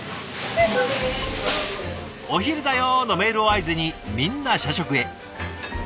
「お昼だよ」のメールを合図にみんな社食へ。